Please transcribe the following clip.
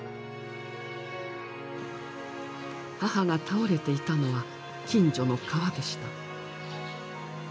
母が倒れていたのは近所の川でした。